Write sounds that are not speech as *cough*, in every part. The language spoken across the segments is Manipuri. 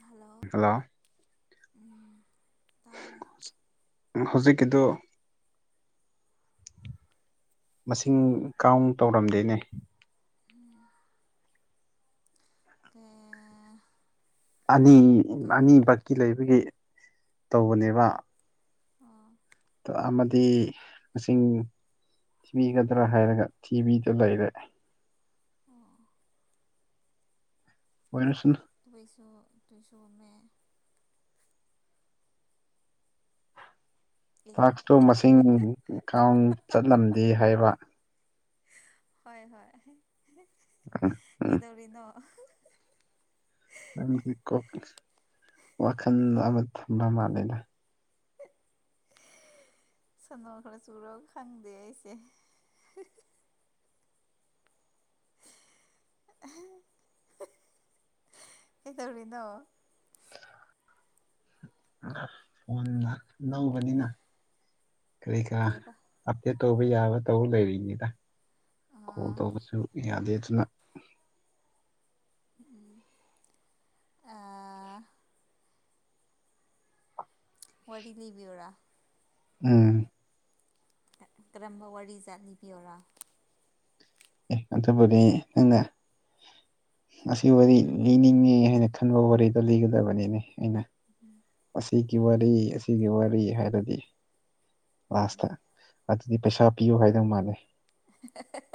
Hello hello. ꯎꯝ ꯇꯥꯔꯦ ꯍꯧꯖꯤꯛꯀꯤꯗꯨ ꯃꯁꯤꯡ ꯀꯥꯎꯟ ꯇꯧꯔꯝꯗꯦꯅꯦ *unintelligible* ꯑꯅꯤ ꯀꯩ ꯑꯅꯤꯕꯛꯀꯤ ꯂꯩꯕꯒꯤ ꯇꯧꯕꯅꯦꯕ꯫ ꯑꯣ ꯣ ꯑꯃꯗꯤ ꯃꯁꯤꯡ ꯊꯤꯕꯤꯒꯗ꯭ꯔꯥ ꯍꯥꯏꯔꯒ ꯊꯤꯕꯤꯗ ꯂꯩꯔꯦ ꯑꯣ *unintelligible* ꯇꯩꯁꯨ ꯇꯨꯏꯁꯨꯃꯦ꯫ ꯑꯦ ꯇꯥꯛꯁꯇꯣ ꯃꯁꯤꯡ ꯀꯥꯎꯟ ꯆꯠꯂꯝꯗꯦ ꯍꯥꯏꯕ ꯍꯣꯏ ꯍꯣꯏ ꯀꯩꯗꯧꯔꯤꯅꯣ ꯅꯪꯒꯤ ꯀꯣꯛꯀꯤ ꯋꯥꯈꯜꯅ ꯑꯃ ꯊꯝꯅ ꯃꯥꯟꯅꯦꯅ ꯁꯣꯅꯣ ꯈꯔ ꯆꯨꯔꯕ ꯈꯪꯗꯦ ꯑꯩꯁꯦ ꯀꯩꯗꯧꯔꯤꯅꯣ꯫ ꯎꯟꯅ ꯂꯧꯒꯅꯤꯅ ꯀꯔꯤ ꯀꯔꯥ ꯀꯩꯕ ꯑꯞꯗꯦꯠ ꯇꯧꯕ ꯌꯥꯕ ꯇꯧꯕ ꯂꯩꯔꯤꯅꯤꯗ ꯀꯣꯜ ꯑꯥ ꯇꯧꯕꯁꯨ ꯌꯥꯗꯦ ꯑꯗꯨꯅ ꯎꯝ ꯑ꯫ ꯋꯥꯔꯤ ꯂꯤꯕꯤꯌꯨꯔꯥ ꯎꯝ ꯀꯔꯝꯕ ꯋꯥꯔꯤꯖꯥꯠ ꯂꯤꯕꯤꯌꯔꯣ ꯑꯦ ꯑꯇꯣꯕꯨꯗꯤ ꯅꯪꯅ꯫ ꯑꯁꯤ ꯋꯥꯔꯤ ꯂꯤꯅꯤꯡꯉꯦ ꯍꯥꯏꯅ ꯈꯟꯕ ꯋꯥꯔꯤꯗꯣ ꯂꯤꯒꯗꯕꯅꯤꯅꯦ ꯑꯩꯅ ꯑꯁꯤꯒꯤ ꯋꯥꯔꯤ ꯑꯁꯤꯒꯤ ꯋꯥꯔꯤ ꯍꯥꯏꯔꯗꯤ ꯂꯥꯁꯇ ꯑꯗꯨꯗꯤ ꯄꯩꯁꯥ ꯄꯤꯌꯨ ꯍꯥꯏꯗꯧ ꯃꯥꯥꯟꯂꯩ *unintelligible*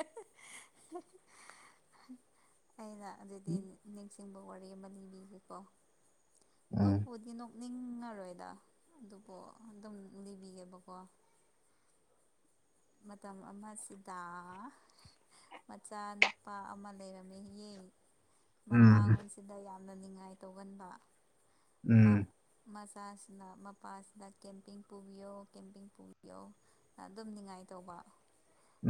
ꯑꯩꯅ ꯑꯗꯨꯗꯤ ꯅꯤꯡꯁꯤꯡꯕ ꯋꯥꯔꯤ ꯑꯃ ꯂꯤꯅꯤꯕꯤꯒꯦꯀꯣ ꯎꯝ ꯅꯣꯛꯄꯕꯨꯗꯤ ꯅ__ ꯅꯤꯡꯉꯔꯣꯏꯗ ꯑꯗꯨꯕꯨ ꯑꯗꯨꯝ ꯂꯤꯕꯤꯒꯦꯕꯀꯣ꯫ ꯃꯇꯝ ꯑꯃꯁꯤꯗ꯫ ꯃꯆꯥ ꯅꯨꯨꯄꯥ ꯑꯃ ꯂꯩꯔꯝꯃꯦ ꯌꯦ ꯎꯝ ꯃꯄꯥꯡꯜꯁꯤꯗ ꯌꯥꯝꯅ ꯉꯥꯏ ꯇꯧꯒꯟꯕ ꯃ ꯎꯝ ꯃꯆꯥꯁꯤꯅ ꯃꯄꯥꯁꯤꯗ ꯀꯦꯝꯄꯤꯡ ꯄꯨꯕꯤꯌꯣ ꯀꯦꯝꯄꯤꯡ ꯄꯨꯕꯤꯌꯣ ꯑꯗꯨꯝ ꯅꯤꯉꯥꯏ ꯇꯧꯕ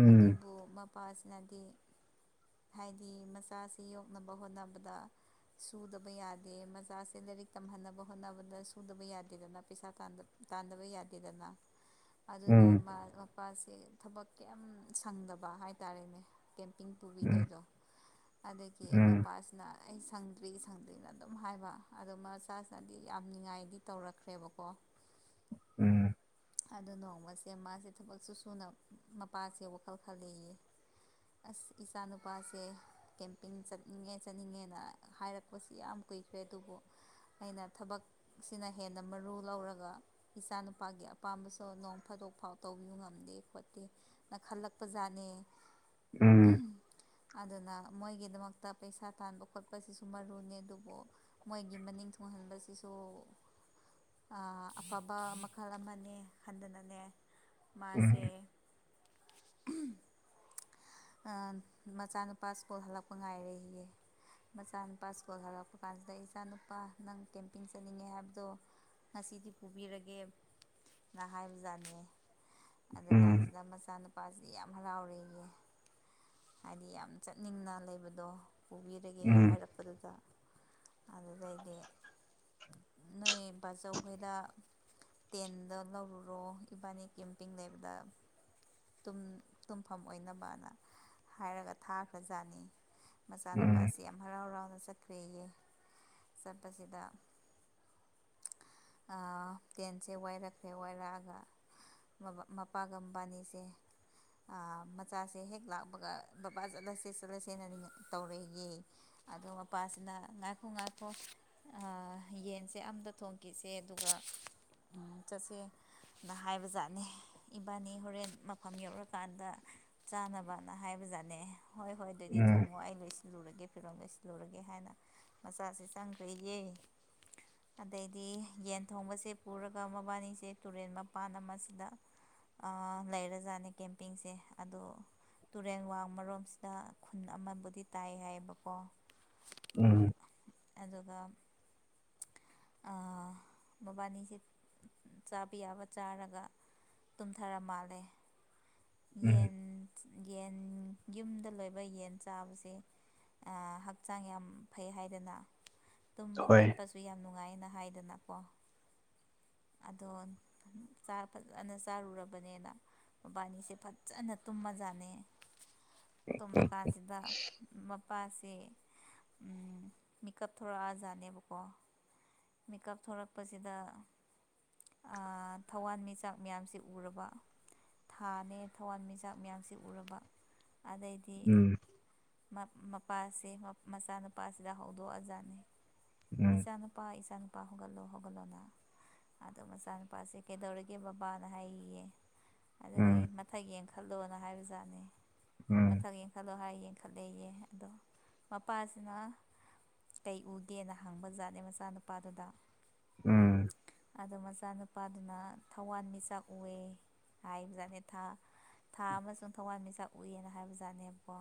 ꯎꯝ ꯑꯗꯨꯕꯨ ꯃꯄꯥꯁꯤꯅꯗꯤ ꯍꯥꯏꯗꯤ ꯃꯆꯥꯁꯤ ꯌꯣꯛꯅꯕ ꯍꯣꯠꯅꯕꯗ__ ꯁꯨꯗꯕ ꯌꯥꯗꯦ ꯃꯆꯥꯥꯁꯦ ꯂꯥꯏꯔꯤꯛ ꯇꯝꯍꯟꯅꯕ ꯍꯣꯠꯅꯕꯗ ꯁꯨꯗꯕ ꯌꯥꯗꯦꯗꯅ ꯄꯩꯁꯥ ꯇꯥꯟꯗ ꯇꯥꯟꯗꯕ ꯌꯥꯗꯦꯗꯅ ꯑꯗꯨꯅ ꯎꯝ ꯃꯄꯥꯁꯤꯦ ꯊꯕꯛ ꯀ ꯁꯪꯗꯕ ꯍꯥꯏꯇꯥꯔꯦꯅꯦ꯫ ꯀꯦꯝꯄꯤꯡ ꯎꯝ ꯄꯨꯕꯤꯗꯣꯏꯗꯣ ꯑꯗꯒꯤ ꯎꯝ ꯃꯄꯥꯁ ꯅ ꯑꯩ ꯁꯪꯗ꯭ꯔꯤ ꯁꯪꯗ꯭ꯔꯤꯅ ꯑꯗꯨꯝ ꯍꯥꯏꯕ ꯑꯗꯨꯃ__ ꯆ ꯆꯅꯗꯤ ꯌꯥꯝ ꯉꯥꯏꯗꯤ ꯇꯧꯔꯛꯈ꯭ꯔꯦꯕꯀꯣ꯫ ꯎꯝ ꯑꯗꯨ ꯅꯣꯡꯃꯁꯦ ꯃꯥꯁꯦ ꯊꯕꯛꯁꯨ ꯁꯨꯅ ꯃꯄꯥꯁꯦ ꯋꯥꯈꯜ ꯈꯔ ꯂꯩꯌꯦ꯫ ꯑꯁ ꯏꯆꯥ ꯅꯨꯨꯄꯥꯁꯦ꯫ ꯀꯦꯝꯄꯤꯡ ꯆꯠꯅꯤꯡꯉꯦ ꯆꯠꯅꯤꯡꯉꯦꯅ ꯍꯥꯏꯔꯛꯄꯁꯤ ꯌꯥꯝ ꯀꯨꯏꯈ꯭ꯔꯦ ꯑꯗꯨꯕꯨ__ ꯑꯩꯅ ꯊꯕꯛꯁꯤꯅ ꯍꯦꯟꯅ ꯃꯔꯨ ꯂꯧꯔꯒ ꯏꯆꯥ ꯅꯨꯄꯥꯒꯤ ꯑꯄꯥꯝꯕꯁꯨ ꯅꯣꯡ ꯐꯥꯗꯣꯛ ꯐꯥꯎ ꯇꯧꯕꯤꯌꯨ ꯉꯝꯗꯦ ꯈꯣꯠꯇꯦ ꯅ ꯈꯜꯂꯛꯄꯖꯥꯠꯅꯦ ꯎꯝ ꯑꯗꯨꯅ ꯃꯣꯏꯒꯤꯗꯃꯛꯇ ꯄꯩꯁꯥ ꯇꯥꯟꯕ ꯈꯣꯠꯄꯁꯤꯁꯨ ꯃꯔꯨꯅꯤ ꯑꯗꯨꯕꯨ ꯃꯣꯏꯒꯤ ꯃꯅꯤꯡ ꯊꯨꯡ ꯍꯟꯕꯁꯤꯁꯨ ꯑ ꯑꯐꯕ ꯃꯈꯜ ꯑꯃꯅꯦ ꯈꯟꯗꯅꯅꯦ ꯃꯥꯁꯦ *inaudible* ꯑ ꯃꯆꯥꯅꯨꯄꯥ ꯏꯁꯀꯨꯜ ꯍꯜꯂꯛꯄ ꯉꯥꯏꯔꯦꯌꯦ ꯃꯆꯥꯅꯨꯄꯥ ꯏꯁ꯭ꯀꯨꯜ ꯍꯜꯂꯛꯄ ꯀꯥꯟꯁꯤꯗ ꯏꯆꯥ ꯅꯨꯨꯄꯥ ꯅꯪ ꯀꯦꯝꯄꯤꯡ ꯆꯠꯅꯤꯡꯉꯦ ꯍꯥꯏꯕꯗꯣ ꯉꯁꯤꯗꯤ ꯄꯨꯕꯤꯔꯒꯦ ꯅ ꯍꯥꯏꯕꯖꯥꯠꯅꯦ ꯎꯝ ꯑꯗꯨꯝ ꯎꯝ ꯀꯥꯟꯁꯤꯗ ꯃꯆꯥꯅꯨꯄꯥꯁꯤ ꯌꯥꯝ ꯍꯔꯥꯎꯔꯦꯌꯦ ꯍꯥꯏꯗꯤ ꯌꯥꯝ ꯆꯠꯅꯤꯡꯅ ꯂꯩꯕꯗꯣ ꯄꯨꯕꯤꯔꯒꯦꯒ ꯎꯝ ꯍꯥꯏꯔꯛ ꯄꯗꯨꯗ ꯑꯗꯨꯗꯩꯗꯤ ꯅꯣꯏ ꯕꯥꯆꯧꯈꯣꯏꯗ ꯇꯦꯟꯗꫭ ꯂꯧꯔꯨꯔꯣ ꯏꯕꯥꯅꯤ ꯀꯦꯝꯄꯤꯡ ꯂꯩꯕꯗ ꯇꯨꯝ ꯇꯨꯝꯐꯝ ꯑꯣꯏꯅꯕꯅ ꯍꯥꯏꯔꯒ ꯊꯥꯈ꯭ꯔꯕꯖꯥꯠꯅꯤ ꯎꯝ ꯃꯆꯥꯅꯨꯄꯥꯁꯤ ꯌꯥꯝ ꯍꯔꯥꯎ ꯍꯔꯥꯎꯅ ꯆꯠꯈ꯭ꯔꯦꯌꯦ ꯆꯠꯄꯁꯤꯗ ꯑ ꯇꯦꯟꯁꯦ ꯋꯥꯏꯔꯛꯈ꯭ꯔꯦ ꯋꯥꯏꯔꯛꯑꯒ ꯃꯄꯥꯒ ꯃꯕꯥꯏꯅꯤꯁꯦ ꯑ ꯃꯆꯥꯁꯦ ꯍꯦꯛ ꯂꯥꯛꯄꯒ ꯕꯕꯥ ꯆꯠꯂꯁꯦ ꯆꯠꯂꯁꯦꯅ ꯇꯧꯔꯦꯌꯦ ꯑꯗꯨ ꯃꯄꯥꯁꯤꯅ ꯉꯥꯏꯈꫭ ꯉꯥꯏꯈꫭ ꯑ ꯌꯦꯟꯁꯦ ꯑꯝꯇ ꯊꯣꯡꯈꯤꯁꯦ ꯑꯗꯨꯒ ꯆꯠꯁꯦ ꯅ ꯍꯥꯏꯕ ꯖꯥꯠꯅꯤ ꯏꯕꯥꯏꯅꯤ ꯍꯣꯔꯦꯟ ꯃꯐꯝ ꯌꯧꯔꯀꯥꯟꯗ ꯆꯥꯅꯕꯅ ꯍꯥꯏꯕꯖꯥꯠꯅꯦ ꯍꯣꯏ ꯍꯣꯏ ꯑꯗꯨꯗꯤ ꯎꯝ ꯊꯣꯡꯉꯣ ꯑꯩ ꯂꯣꯏꯁꯤ ꯂꯨꯔꯒꯦ ꯐꯤꯔꯣꯟ ꯂꯩꯁꯜꯂꯨꯔꯒꯦ ꯍꯥꯏꯅ ꯃꯆꯥꯁꯤ ꯆꯪꯈ꯭ꯔꯦꯌꯦ ꯑꯗꯩꯗꯤ ꯌꯦꯟ ꯊꯣꯡꯕꯁꯦ ꯄꯨꯔꯒ ꯃꯕꯥꯅꯤꯁꯦ ꯇꯨꯔꯦꯟ ꯃꯄꯥꯟ ꯑꯃꯁꯤꯗ ꯑ ꯂꯩꯔꯖꯥꯠꯅꯦ ꯀꯦꯝꯄꯤꯡꯁꯦ ꯑꯗꫭ ꯇꯨꯔꯦꯟ ꯋꯥꯡꯔꫭꯝꯁꯤꯗ ꯈꯨꯟ ꯑꯃꯕꯨꯗꯤ ꯇꯥꯏ ꯍꯥꯏꯌꯦꯕꯀꯣ ꯎꯝ ꯑꯗꯨꯒ ꯑꯥ ꯃꯕꯥꯅꯤꯁꯦ ꯆꯥꯕ ꯌꯥꯕ ꯆꯥꯔꯒ ꯇꯨꯝꯊꯔ ꯃꯥꯜꯂꯦ ꯎꯝ ꯌꯦꯟ ꯌꯦꯟ ꯌꯨꯝꯗ ꯂꯣꯏꯕ ꯌꯦꯟ ꯆꯥꯕꯁꯦ ꯑ ꯍꯛꯆꯥꯡ ꯌꯥꯝ ꯐꯩ ꯍꯥꯏꯗꯅ ꯇꯨꯝꯕ ꯍꯣꯏ ꯈꯣꯠꯄꯁꯨ ꯗꯨ ꯌꯥꯝ ꯅꯨꯡꯉꯥꯏꯅ ꯍꯥꯏꯗꯅꯀꫭ ꯑꯗꯣ ꯆꯥꯛ ꯐꯖꯅ ꯆꯥꯔꯨꯔꯕꯅꯤꯅ ꯃꯕꯥꯅꯤꯁꯦ ꯐꯖꯅ ꯇꯨꯝꯃꯖꯥꯠꯅꯤ ꯇꯨꯝꯃ ꯎꯝ ꯀꯥꯟꯁꯤꯗ ꯋꯌꯔ ꯃꯄꯥꯁꯦ ꯃꯤꯀꯞ ꯊꯣꯔꯛꯑꯖꯥꯠꯅꯦꯕꯀꯣ ꯃꯤꯀꯞ ꯊꫭꯛꯂꯛꯄꯁꯤꯗ ꯑꯥ ꯊꯋꯥꯟꯃꯤꯆꯥꯛ ꯃꯌꯥꯝꯁꯤ ꯎꯔꯕ ꯊꯥꯅꯦ ꯊꯋꯥꯟꯃꯤꯆꯥꯛ ꯃꯌꯥꯝꯁꯤ ꯎꯔꯕ ꯑꯗꯩꯗꯤ ꯎꯝ ꯃꯄꯥꯁꯦ ꯃꯆꯥꯅꯨꯄꯥꯁꯤꯗ ꯍꯧꯗꯣꯛꯑꯖꯥꯠꯅꯤ ꯎꯝ ꯏꯆꯥꯅ ꯄꯥ ꯏꯆꯥ ꯅꯨꯄꯥ ꯍꯧꯒꯠꯂꯣ ꯍꯧꯒꯠꯂꯣꯅ ꯑꯗꯣ ꯃꯆꯥ ꯅꯨꯨꯄꯥꯁꯦ ꯀꯩꯗꯧꯔꯒꯦ ꯕꯕꯥꯅ ꯍꯥꯏꯌꯦꯌꯦ ꯑꯗꯨꯒ ꯎꯝ ꯃꯊꯛ ꯌꯦꯡꯈꯠꯂꯣꯅ ꯍꯥꯏꯕꯖꯥꯠꯅꯤ ꯎꯝ ꯃꯊꯛ ꯌꯦꯡꯈꯠ ꯈꯂꯣ ꯍꯥꯏꯌꯦꯡꯈꯠꯂꯦꯌꯦ ꯑꯗꯣ ꯃꯄꯥꯁꯤꯅ ꯀꯩ ꯎꯒꯦꯅ ꯍꯪꯕ ꯖꯥꯠꯅꯦ ꯃꯆꯥꯅꯨꯄꯥꯗꯨꯗ ꯎꯝ ꯑꯗꯣ ꯃꯆꯥꯅꯨꯄꯥꯗꯨꯅ ꯊꯋꯥꯟꯃꯤꯆꯥꯛ ꯎꯋꯦ ꯍꯥꯏꯕꯖꯥꯠꯅꯦ ꯊꯥ ꯊꯥ ꯑꯃꯁꯨꯡ ꯊꯋꯥꯟꯃꯤꯆꯥꯛ ꯎꯏ ꯍꯥꯏꯕꯖꯥꯠꯅꯦꯕꯀꯣ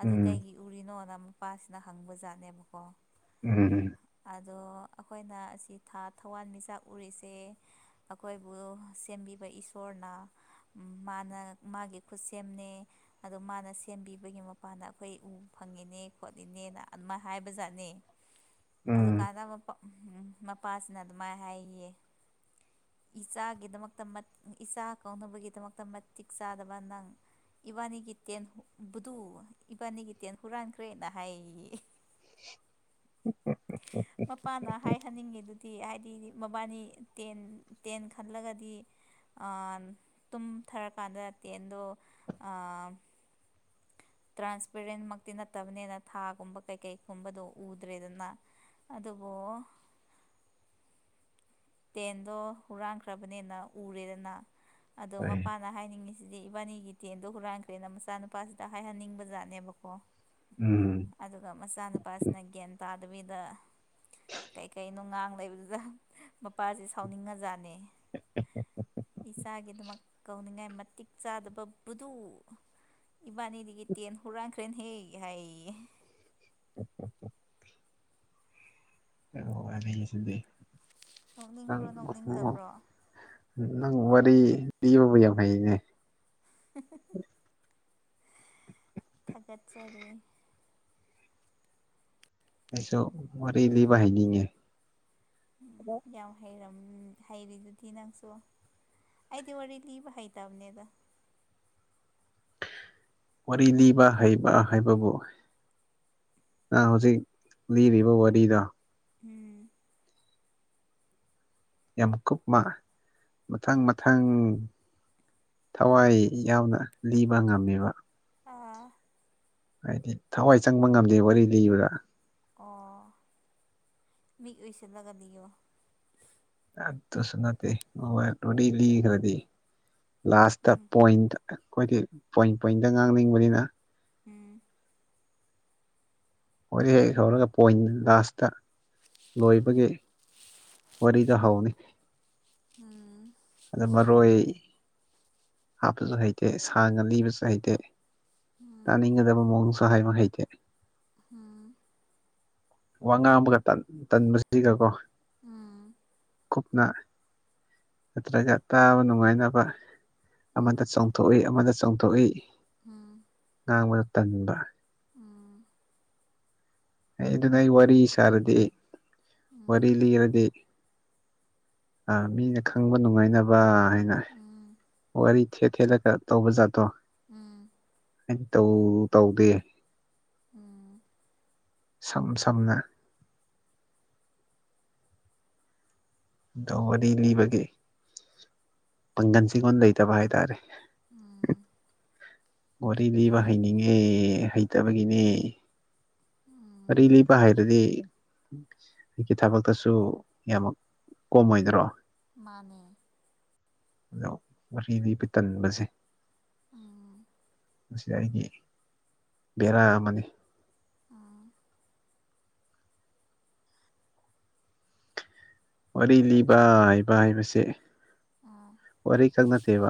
ꯑꯗꯨ ꯎꯝ ꯀꯩꯒꯤ ꯎꯔꯤꯅꯣ ꯅꯃꯨꯛ ꯅꯨꯄꯥꯁꯤꯅ ꯍꯪꯕ ꯖꯥꯠꯅꯦꯕꯀꯣ ꯎꯝ ꯗꯣ ꯑꯈꯣꯏꯅ ꯑꯁꯤ ꯊꯥ ꯊꯋꯥꯟꯃꯤꯆꯥꯛ ꯎꯔꯤꯁꯦ ꯑꯩꯈꯣꯏꯕꯨ ꯁꯦꯝꯕꯤꯕ ꯏꯁꯣꯔꯅ__ ꯃꯥꯅ ꯃꯥꯒꯤ ꯈꯨꯠꯁꯦꯝꯅꯦ ꯑꯗꯣ ꯃꯥꯅ ꯁꯦꯝꯕꯤꯕꯒꯤ ꯃꯄꯥꯟꯗ ꯑꯩꯈꯣꯏ ꯎ ꯐꯪꯉꯤꯅꯦ ꯈꯣꯠꯂꯤꯅꯦꯅ ꯑꯗꯨꯃꯥꯏꯅ ꯍꯥꯏꯕꯖꯥꯠꯅꯤ ꯎꯝ ꯃꯄꯥꯁꯤꯅ ꯑꯗꯨꯃꯥꯏ ꯍꯥꯏꯌꯦ ꯏꯆꯥꯒꯤꯗꯃꯛꯇ ꯏꯆꯥ ꯀꯧꯅꯕꯒꯤꯗꯃꯛꯇ ꯃꯇꯤꯛ ꯆꯥꯗꯕ ꯅꯪ ꯏꯕꯥꯅꯤꯒꯤ ꯇꯦꯟꯗꯨ ꯏꯕꯥꯅꯤꯒꯤ ꯇꯦꯟ ꯍꯨꯔꯥꯟꯈ꯭ꯔꯦꯅ ꯍꯥꯏꯌꯦꯌꯦ *unintelligible* ꯃꯄꯥꯅ ꯍꯥꯏꯍꯟꯅꯤꯡꯉꯤꯗꯨꯗꯤ ꯍꯥꯏꯗꯤ ꯃꯕꯥꯅꯤ ꯇꯦꯟ ꯇꯦꯟ ꯈꯜꯂꯒꯗꯤ ꯇꯨꯝꯊꯔꯀꯥꯟꯗ ꯇꯦꯟꯗꯣ ꯇ꯭ꯔꯥꯟꯁꯄꯦꯔꯦꯟꯃꯛꯇꯤ ꯅꯠꯇꯕꯅꯤꯅ ꯊꯥꯒꯨꯝꯕ ꯀꯩꯀꯩꯒꯨꯝꯕꯗꯣ ꯎꯗ꯭ꯔꯦꯗꯅ ꯑꯗꯨꯕꯨ *inaudible* ꯇꯦꯟꯗꯣ ꯍꯨꯔꯥꯟꯈ꯭ꯔꯕꯅꯦꯅ ꯎꯔꯦꯗꯅ ꯑꯗꯣ ꯍꯣꯏ ꯃꯄꯥꯅ ꯍꯥꯏꯅꯤꯡꯉꯤꯁꯤꯗꯤ ꯏꯕꯥꯅꯤꯒꯤ ꯇꯦꯟꯗꯣ ꯍꯨꯔꯥꯟꯈ꯭ꯔꯦꯅ ꯃꯆꯥꯅꯨꯄꯥꯁꯤꯗ ꯍꯥꯏꯍꯟꯅꯤꯡꯕ ꯖꯥꯠꯅꯦꯕꯀꯣ ꯎꯝ ꯑꯗꯨꯒ ꯃꯆꯥꯅꯨꯄꯥꯁꯤꯅ ꯒ꯭ꯌꯥꯟ ꯇꯥꯗꯕꯤꯗ ꯀꯩꯀꯩꯅꯣ ꯉꯥꯡ ꯂꯩꯕꯗꯨꯗ ꯃꯄꯥꯖꯦ ꯁꯥꯎꯅꯤꯡꯉꯖꯥꯅꯦ ꯏꯆꯥꯒꯤꯗꯃꯛ ꯇꯧꯅꯤꯡꯉꯥꯏ ꯃꯇꯤꯛ ꯆꯥꯗꯕ ꯕꯨꯗꯨ ꯏꯕꯥꯅꯤꯗꯒꯤ ꯇꯦꯟ ꯍꯨꯔꯥꯟꯈ꯭ꯔꯦꯅ ꯍꯦꯛ ꯍꯥꯏꯌꯦꯌꯦ *unintelligible* ꯁꯨꯗ ꯅꯣꯛꯅꯤꯡꯕ꯭ꯔꯣ ꯅꯣꯛꯅꯤꯡꯗꯕ꯭ꯔꯣ ꯅꯪ ꯎꯋꯥꯔꯔꯤ ꯂꯤꯕꯕ ꯌꯥꯝ ꯍꯩꯅꯦ ꯊꯥꯒꯠꯆꯔꯤ ꯑꯩꯁꯨ ꯋꯥꯔꯤ ꯂꯤꯕ ꯍꯩꯅꯤꯡꯉꯦ ꯎꯝ ꯌꯥꯝ ꯍꯩꯔꯝ ꯍꯩꯔꯤꯗꯨꯗꯤ ꯅꯪꯁꯨ ꯑꯩꯗꯤ ꯋꯥꯔꯤ ꯂꯤꯕ ꯍꯩꯇꯕꯅꯦꯗ ꯋꯥꯔꯤ ꯂꯤꯕ ꯍꯩꯕ ꯍꯥꯏꯕꯕꯨ ꯍꯧꯖꯤꯛ ꯂꯤ ꯋꯥꯔꯤꯗ ꯎꯝ ꯌꯥꯝ ꯀꯨꯞꯃ ꯃꯊꯪ ꯃꯊꯪ ꯊꯋꯥꯏ ꯌꯥꯎꯅ ꯂꯤꯕ ꯉꯝꯃꯦꯕ ꯑꯥ ꯍꯥꯏꯗꯤ ꯊꯋꯥꯏ ꯆꯪꯕ ꯉꯝꯗꯦ ꯋꯥꯔꯤ ꯂꯤꯕꯗꯥ ꯑꯣ ꯃꯤꯛ ꯎꯏꯁꯤꯜꯂꯒ ꯂꯤꯌꯣ ꯑꯗꯨꯁꯨ ꯅꯠꯇꯦ ꯋꯥꯔꯤ ꯂꯤꯈ꯭ꯔꯗꯤ ꯂꯥꯁꯇ ꯎꯝ ꯄꯣꯏꯟꯗ ꯑꯩꯈꯣꯏꯗꯤ ꯄꯣꯏꯟ ꯄꯣꯏꯟꯇ ꯉꯥꯡꯅꯤꯡꯕꯅꯤꯅ ꯎꯝ ꯍꯛ ꯍꯦꯛ ꯍꯧꯔꯒ ꯄꯣꯏꯟ ꯂꯥꯁꯇ ꯂꯣꯏꯕꯒꯤ ꯋꯥꯔꯤꯔꯤꯗ ꯍꯥꯎꯅꯤ ꯑꯥ ꯑꯗ ꯃꯔꯣꯏ ꯍꯥꯞꯄꯁꯨ ꯍꯩꯇꯦ ꯁꯥꯡꯅ ꯂꯤꯕꯁꯨ ꯍꯩꯇꯦ ꯎꯝ ꯇꯥꯅꯤꯡꯒꯗꯕ ꯃꯑꯣꯡꯁꯨ ꯍꯥꯏꯕ ꯍꯩꯇꯦ ꯑꯝ ꯋꯥ ꯉꯥꯡ ꯑꯃꯒ ꯇꯟꯕꯁꯤꯒꯀꯣ ꯎꯝ ꯀꯨꯞꯅ ꯅꯠꯇ꯭ꯔꯒ ꯇꯥꯕ ꯅꯨꯡꯉꯥꯏꯅꯕ ꯑꯃꯗ ꯎꯝ ꯆꯣꯡꯊꯣꯛꯏ ꯑꯃꯗ ꯆꯣꯡꯊꯣꯛꯏ ꯎꯝ ꯉꯥꯡꯕꯗ ꯇꯟꯕ ꯎꯝ ꯑꯩ ꯑꯗꯨꯅꯦ ꯑꯩ ꯋꯥꯔꯤ ꯁꯥꯔꯗꯤ ꯎꯝ ꯋꯥꯔꯤ ꯂꯤꯔꯗꯤ ꯑ ꯃꯤꯅ ꯈꯪꯕ ꯅꯨꯡꯉꯥꯏꯅꯕ ꯍꯥꯏꯅ ꯎꯝ ꯀꯣꯏ ꯊꯦꯠ ꯊꯦꯠꯂꯒ ꯇꯧꯕ ꯖꯥꯠꯇꯣ ꯎꯝ ꯑꯩ ꯇꯧ ꯇꯧꯗꯦ ꯎꯝ ꯁꯝ ꯁꯝꯅ ꯗꯣ ꯋꯥꯔꯤ ꯂꯤꯕꯒꯤ ꯄꯥꯡꯒꯟꯁꯤ ꯑꯩꯉꯣꯟꯗ ꯂꯩꯇꯕ ꯍꯥꯏꯇꯥꯔꯦ ꯎꯝ ꯋꯥꯔꯤ ꯂꯤꯕ ꯑꯩꯁꯨꯅꯦ ꯍꯩꯅꯤꯡꯉꯦ ꯍꯩꯇꯕꯒꯤꯅꯦ ꯋꯥꯔꯤ ꯎꯝ ꯂꯤꯕ ꯍꯩꯔꯗꯤ ꯑꯩꯒꯤ ꯊꯕꯛꯇꯁꯨ ꯌꯥꯝꯅ ꯀꯣꯝꯃꯣꯏꯗꯔꯣ ꯃꯥꯅꯦ ꯑꯗꯣ ꯋꯥꯔꯤ ꯂꯤꯕ ꯇꯟꯕꯁꯦ ꯎꯝ ꯃꯁꯤ ꯑꯩꯒꯤ ꯕꯦꯔꯥ ꯑꯃꯅꯤ ꯎꯝ ꯋꯥꯔꯤ ꯂꯤꯕ ꯍꯩꯕ ꯍꯥꯏꯕꯁꯦ ꯑꯥ ꯋꯥꯔꯤ ꯈꯛ ꯅꯠꯇꯦꯕ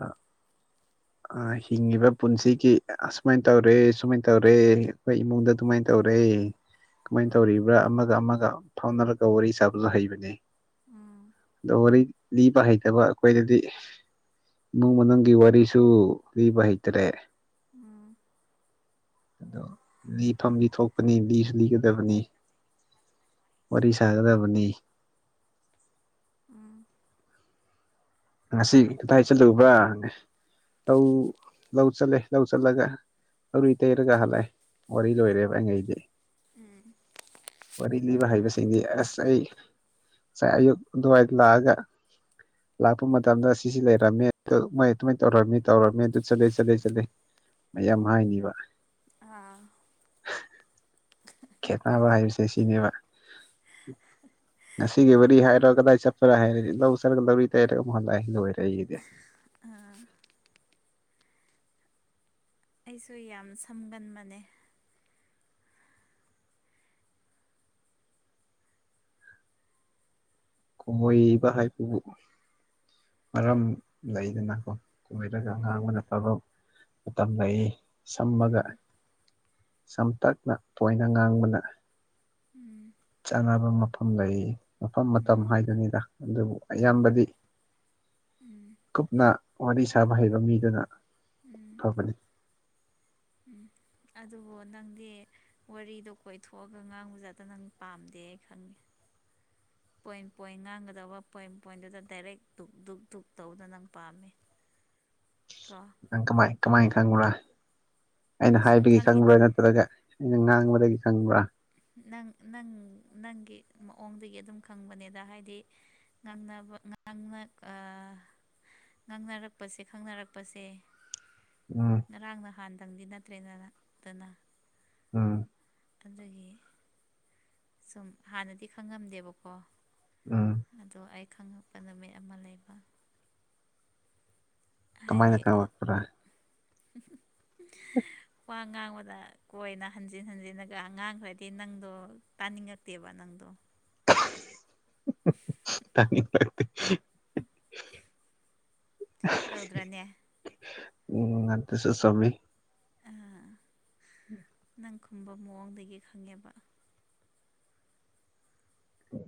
ꯑ ꯍꯤꯡꯉꯤꯕ ꯄꯨꯟꯁꯤꯒꯤ ꯑꯁꯨꯃꯥꯏꯅ ꯇꯧꯔꯦ ꯁꯨꯃꯥꯏꯅ ꯇꯧꯔꯦ ꯑꯩꯈꯣꯏ ꯏꯃꯨꯡꯗ ꯑꯗꯨꯃꯥꯏꯅ ꯇꯧꯔꯦ ꯀꯃꯥꯏ ꯎꯝ ꯇꯧꯔꯤꯕ꯭ꯔꯥ ꯑꯃꯒ ꯑꯃꯒ ꯐꯥꯎꯅꯔꯒ ꯋꯥꯔꯤ ꯁꯥꯕꯁꯨ ꯍꯩꯕꯁꯦ ꯑꯗꯣ ꯋꯥꯔꯤ ꯂꯤꯕ ꯍꯩꯇꯕ ꯑꯩꯈꯣꯏꯗꯗꯤ ꯅꯣꯡꯃ ꯅꯪꯒꯤ ꯋꯥꯔꯤꯁꯤ ꯑꯗꯨ ꯂꯤꯕ ꯍꯩꯇꯔꯦ ꯎꯝ ꯑꯗꯣ ꯂꯤꯐꯝꯗꯤ ꯊꯣꯛꯄꯅꯤ ꯂꯤꯁꯨ ꯂꯤꯒꯗꯕꯅꯤ ꯋꯥꯔꯤ ꯁꯥꯒꯗꯕꯅꯤ ꯎꯝ ꯉꯁꯤ ꯀꯗꯥꯏ ꯆꯠꯂꯨꯕ꯭ꯔꯥꯅꯦ ꯂꯧ ꯂꯧ ꯆꯠꯂꯦ ꯂꯧ ꯆꯠꯂꯒ *unintelligible* ꯇꯩꯔꯒ ꯍꯜꯂꯛꯑꯦ ꯋꯥꯔꯤ ꯂꯣꯏꯔꯦꯕ ꯑꯩꯅ ꯍꯥꯏꯗꯤ ꯎꯝ ꯋꯥꯔꯤ ꯂꯤꯕ ꯍꯩꯕꯁꯤꯡꯗꯤ ꯑꯁ ꯑꯩ ꯉꯁꯥꯏ ꯑꯌꯨꯛ ꯑꯗꯨꯋꯥꯏꯗ ꯂꯥꯛꯑꯒ ꯂꯥꯛꯄ ꯃꯇꯝꯗ ꯁꯤꯁꯤ ꯂꯩꯔꯝꯃꯦ ꯑꯗꯨ ꯃꯣꯏ ꯑꯗꯨꯃꯥꯏꯅ ꯇꯧꯔꯝꯃꯤ ꯇꯧꯔꯝꯃꯦ ꯑꯗꯨ ꯆꯠꯂꯦ ꯆꯠꯂꯦ ꯆꯠꯂꯦ ꯃꯌꯥꯝ ꯍꯥꯏꯅꯤꯕ ꯑꯥ ꯈꯦꯠꯅꯕ ꯍꯥꯏꯕꯁꯦ ꯁꯤꯅꯦꯕ ꯉꯁꯤꯒꯤ ꯋꯥꯔꯤ ꯍꯥꯏꯔꯣ ꯀꯗꯥꯏ ꯆꯠꯄ꯭ꯔꯥ ꯍꯥꯏꯔꯗꯤ ꯂꯧ ꯆꯠꯂꯒ ꯂꯧꯔꯤ ꯇꯩꯔꯒ ꯑꯃꯨꯛ ꯍꯥꯜꯂꯛꯑꯦ ꯂꯣꯏꯔꯦ ꯑꯩꯒꯤꯗꯤ ꯑꯥ ꯑꯩꯁꯨ ꯌꯥꯝ ꯁꯝꯒꯟꯕꯅꯦ ꯀꯣꯏꯕ ꯍꯥꯏꯕꯕꯨ ꯃꯔꯝ ꯂꯩꯗꯅꯀꯣ ꯀꯣꯏꯔꯒ ꯉꯥꯡꯕꯅ ꯐꯕ ꯃꯇꯝ ꯂꯩ ꯁꯝꯃꯒ ꯁꯝꯇꯛꯅ ꯄꯣꯏꯟꯗ ꯉꯥꯡꯕꯅ ꯆꯥꯟꯅꯕ ꯃꯐꯝ ꯂꯩ ꯃꯐꯝ ꯃꯠ ꯃꯇꯝ ꯍꯥꯏꯗꯨꯅꯤꯗ ꯑꯗꯨꯕꯨ ꯑꯌꯥꯝꯕꯗꯤ ꯎꯝ ꯀꯨꯞꯅ ꯋꯥꯔꯤ ꯁꯥꯕ ꯍꯩꯕ ꯃꯤꯗꯨꯅ ꯐꯕꯅꯤ ꯑꯗꯨꯕꯨ ꯅꯪꯗꯤ ꯋꯥꯔꯤꯗꯣ ꯀꯣꯏꯊꯣꯛꯑꯒ ꯉꯥꯡꯕ ꯖꯥꯗ ꯅꯪ ꯄꯥꯝꯗꯦ ꯑꯩ ꯈꯪꯉꯦ *inaudible* ꯄꯣꯏꯟ ꯄꯣꯏꯟ ꯉꯥꯡꯒꯗꯧꯕ ꯄꯣꯏꯟ ꯄꯣꯏꯟꯗꯨꯗ ꯗꯥꯏꯔꯦꯛ ꯗꯨꯛ ꯙꯨꯛ ꯙꯨꯛ ꯇꯧꯕꯗꯅ ꯅꯪ ꯄꯥꯝꯃꯤ ꯀ ꯅꯪ ꯀꯃꯥꯏ ꯀꯃꯥꯏꯅ ꯈꯪꯕꯔꯥ ꯑꯩꯅ ꯑꯁꯨꯝ ꯍꯥꯏꯕꯒꯤ ꯈꯪꯕ꯭ꯔꯥ ꯈꯪꯉꯤꯅꯤ ꯅꯠꯇ꯭ꯔꯒ ꯑꯩꯅ ꯉꯥꯡꯕꯗꯒꯤ ꯈꯪꯕ꯭ꯔꯥ ꯅꯪ ꯅꯪ ꯅꯪꯒꯤ ꯃꯑꯣꯡꯗꯒꯤ ꯑꯗꯨꯝ ꯈꯪꯕꯅꯦꯗ ꯍꯥꯏꯗꯤ ꯉꯪꯅ ꯉꯪꯅ ꯑ ꯉꯥꯡꯅꯔꯛꯄꯁꯦ ꯈꯪꯅꯔꯛꯄꯁꯦ ꯎꯝ ꯉꯔꯥꯡ ꯅꯍꯥꯟꯗꯪꯗꯤ ꯅꯠꯇ꯭ꯔꯦꯗꯅ ꯇꯅ ꯎꯝ ꯑꯗꯨꯒꯤ ꯁꯨꯝ ꯍꯥꯟꯅꯗꯤ ꯈꯪꯉꯝꯗꯦꯕꯀꯣ ꯎꯝ ꯑꯗꯣ ꯑꯩ ꯈꯪꯉꯛꯄ ꯅꯨꯃꯤꯠ ꯑꯃ ꯂꯩꯕ ꯀꯃꯥꯏꯅ ꯀꯥꯂꯛꯄ꯭ꯔ *unintelligible* ꯑꯉꯥꯡꯕꯗ ꯀꯣꯏꯅ ꯍꯟꯖꯤꯟ ꯍꯟꯖꯤꯟꯂꯒ ꯑꯉꯥꯡꯈ꯭ꯔꯗꯤ ꯅꯪꯗꯣ ꯇꯥꯅꯤꯡꯉꯛꯇꯦꯕ ꯅꯪꯗꯣ ꯇꯅꯤ ꯂꯥꯛꯇ ꯇꯧꯗ꯭ꯔꯅꯦ ꯎꯝ ꯑꯗꯨꯁꯨ ꯆꯨꯝꯃꯤ ꯑꯥ *inaudible* ꯅꯪ ꯈꯨꯝꯕ ꯃꯑꯣꯡꯗꯒꯤ ꯈꯪꯉꯦꯕ